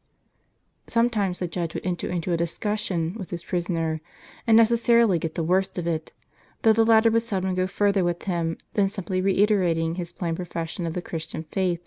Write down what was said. t Sometimes the judge would enter into a dis cussion with his prisoner, and necessarily get the worst of it ; though the latter would seldom go further with him than simply reiterating his plain profession of the Christian faith.